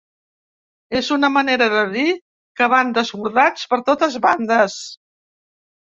És una manera de dir que van desbordats per totes bandes.